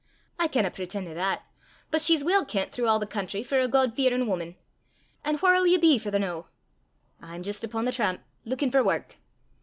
"I canna preten' to that; but she's weel kent throuw a' the country for a God fearin' wuman. An' whaur 'll ye be for the noo?" "I'm jist upo' the tramp, luikin' for wark."